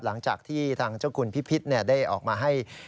หลังจากที่ทางเจ้าคุณพิพิษได้ออกมาให้